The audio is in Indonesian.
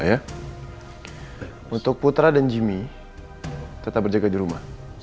patutlah philanthropy percuuuuu